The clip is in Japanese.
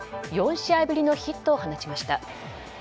４試合ぶりのヒットを放ちました。